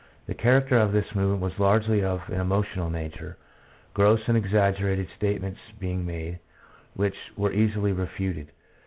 The character of this movement was largely of an emotional nature, gross and exaggerated statements being made, which were easily refuted.